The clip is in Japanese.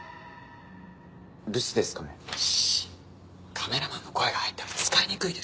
カメラマンの声が入ったら使いにくいでしょ。